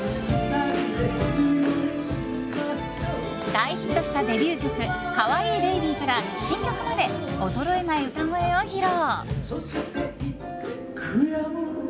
大ヒットしたデビュー曲「可愛いベイビー」から新曲まで衰えない歌声を披露。